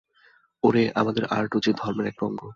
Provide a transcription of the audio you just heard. ওরে, আমাদের আর্টও যে ধর্মের একটা অঙ্গ।